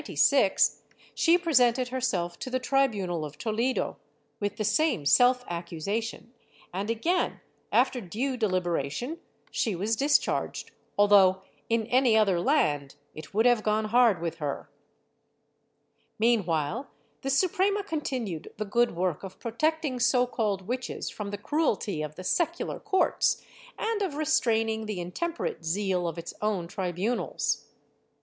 Twelve years later, in 1596, she presented herself to the tribunal of Toledo, with the same self accusation and again, after due deliberation, she was discharged, although in any other land it would have gone hard with her/ Meanwhile the Suprema continued the good work of protecting so called witches from the cruelty of the secular courts and of restraining the intemperate zeal of its own tribunals.